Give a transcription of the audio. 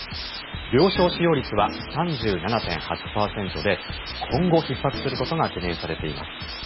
病床使用率は３７．８％で今後、ひっ迫することが懸念されています。